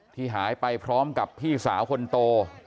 ที่หายไปพร้อมกับพี่สาวคนโต